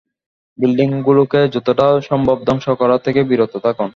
বিল্ডিংগুলোকে যতটা সম্ভব ধ্বংস করা থেকে বিরত থাকুন।